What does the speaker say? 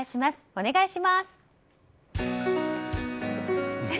お願いします。